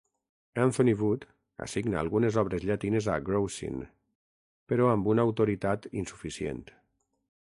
Anthony Wood assigna algunes obres llatines a Grocyn, però amb una autoritat insuficient.